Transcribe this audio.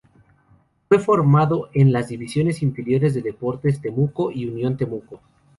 Fue formado en las divisiones inferiores de Deportes Temuco y Unión Temuco.